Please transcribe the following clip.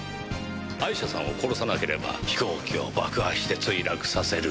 アイシャさんを殺さなければ飛行機を爆破して墜落させる。